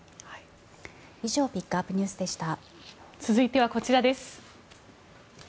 以上ピックアップＮＥＷＳでした。